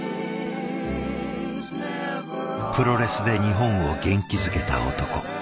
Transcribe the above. プロレスで日本を元気づけた男。